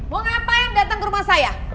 mau ngapain datang ke rumah saya